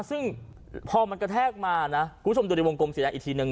ซึ่งพอมันกระแทกมานะคุณผู้ชมดูในวงกลมสีแดงอีกทีนึง